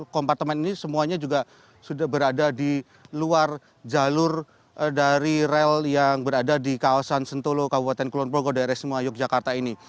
kompartemen ini semuanya juga sudah berada di luar jalur dari rel yang berada di kawasan sentolo kabupaten kulonprogo daerah semua yogyakarta ini